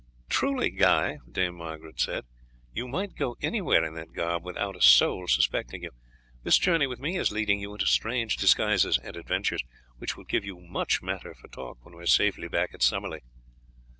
"Truly, Guy," the former said, "you might go anywhere in that garb without a soul suspecting you. This journey with me is leading you into strange disguises and adventures, which will give you much matter for talk when we are safely back at Summerley."